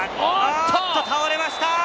おっと、倒れました！